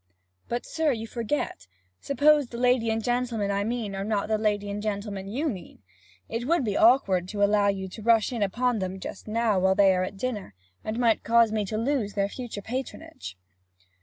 'But, sir, you forget. Suppose the lady and gentleman I mean are not the lady and gentleman you mean? It would be awkward to allow you to rush in upon them just now while they are at dinner, and might cause me to lose their future patronage.'